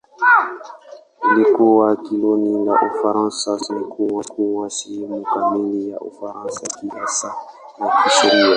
Ilikuwa koloni la Ufaransa; sasa imekuwa sehemu kamili ya Ufaransa kisiasa na kisheria.